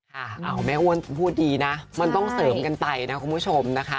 แม่อ้วนพูดดีนะมันต้องเสริมกันไปนะคุณผู้ชมนะคะ